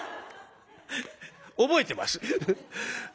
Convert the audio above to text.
覚えてます。